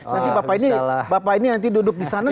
nanti bapak ini nanti duduk di sana